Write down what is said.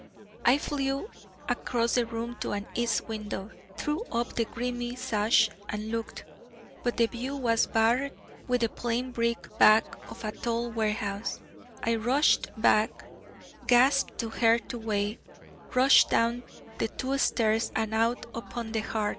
I flew across the room to an east window, threw up the grimy sash, and looked. But the view was barred by the plain brick back of a tall warehouse. I rushed back, gasped to her to wait, rushed down the two stairs, and out upon the Hard.